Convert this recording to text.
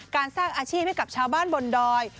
สร้างอาชีพให้กับชาวบ้านบนดอย